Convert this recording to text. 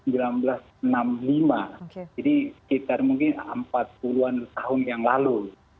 jadi sekitar mungkin empat puluh an tahun yang lalu